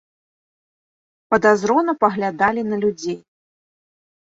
Падазрона паглядалі на людзей.